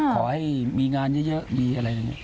ขอให้มีงานเยอะมีอะไรอย่างนี้